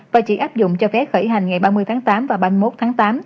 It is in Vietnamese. và chỉ áp dụng cho vé khởi hành ngày ba mươi tháng tám và ba mươi một tháng tám